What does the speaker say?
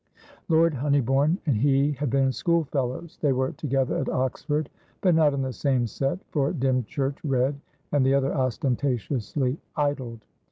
Lord Honeybourne and he had been schoolfellows; they were together at Oxford, but not in the same set, for Dymchurch read, and the other ostentatiously idled.